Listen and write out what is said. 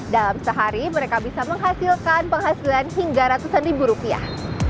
dalam sehari mereka bisa menghasilkan penghasilan hingga ratusan ribu rupiah